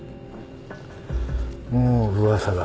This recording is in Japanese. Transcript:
もう噂が。